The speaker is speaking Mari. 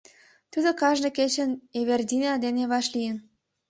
Тудо кажне кечын Эвердина дене вашлийын.